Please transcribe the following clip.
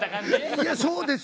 いやそうです。